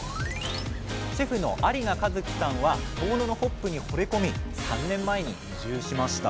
シェフの有賀一樹さんは遠野のホップにほれ込み３年前に移住しました。